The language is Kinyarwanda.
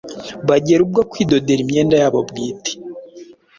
bagira bwo kwidodera imyenda yabo bwite.